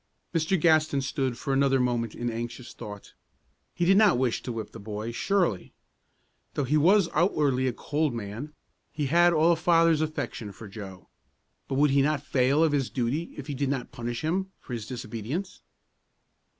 Mr. Gaston stood for another moment in anxious thought. He did not wish to whip the boy, surely. Though he was outwardly a cold man, he had all a father's affection for Joe; but would he not fail of his duty if he did not punish him for his disobedience?